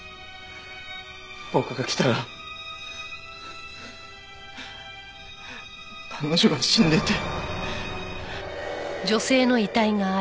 僕が来たら彼女が死んでて。